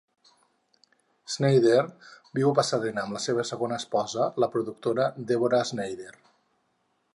Snyder viu a Pasadena amb la seva segona esposa, la productora Deborah Snyder.